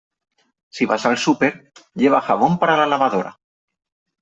Si vas al súper, lleva jabón para la lavadora.